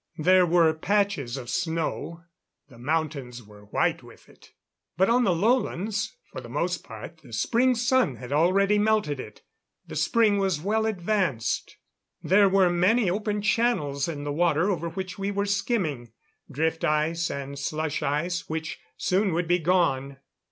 There were patches of snow the mountains were white with it; but on the lowlands, for the most part the Spring sun had already melted it. The Spring was well advanced; there were many open channels in the water over which we were skimming drift ice, and slush ice which soon would be gone.